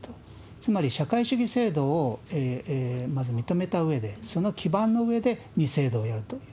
つまり社会主義制度をまず認めたうえで、その基盤の上で二制度をやるという。